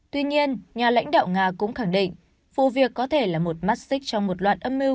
tuy nhiên nhà lãnh đạo nga cũng khẳng định vụ việc có thể là một mắt xích trong một loạt âm mưu